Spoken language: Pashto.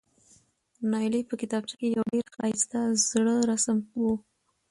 نایلې په کتابچه کې یو ډېر ښایسته زړه رسم و،